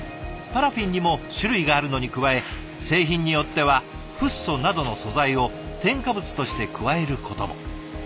パラフィンにも種類があるのに加え製品によってはフッ素などの素材を添加物として加えることも。